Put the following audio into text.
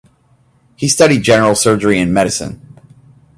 He studied General Surgery and Medicine.